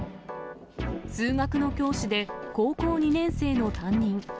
数学の教師で、高校２年生の担任。